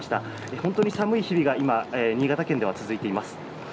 本当に寒い日々が今、新潟県では続いています。